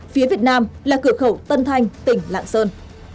phía việt nam là cửa khẩu tân thanh tỉnh lạng sơn